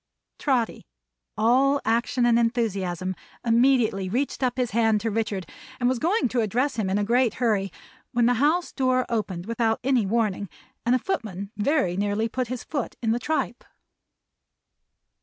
Trotty, all action and enthusiasm, immediately reached up his hand to Richard, and was going to address him in a great hurry, when the house door opened without any warning, and a footman very nearly put his foot in the tripe.